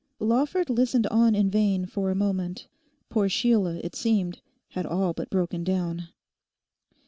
Lawford listened on in vain for a moment; poor Sheila, it seemed, had all but broken down.